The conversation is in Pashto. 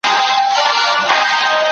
ښه موضوع مې وټاکله.